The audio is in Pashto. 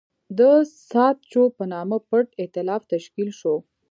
د ساتچو په نامه پټ اېتلاف تشکیل شو.